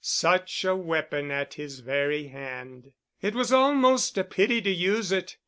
Such a weapon at his very hand. It was almost a pity to use it.